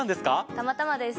たまたまです。